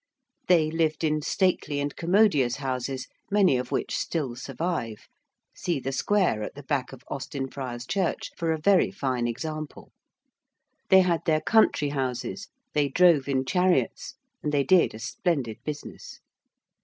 They lived in stately and commodious houses, many of which still survive see the Square at the back of Austin Friars Church for a very fine example they had their country houses: they drove in chariots: and they did a splendid business.